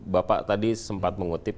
bapak tadi sempat mengutip